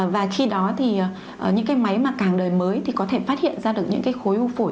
và khi đó thì những cái máy mà càng đời mới thì có thể phát hiện ra được những cái khối u phổi